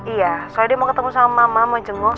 iya kalau dia mau ketemu sama mama mau jenguk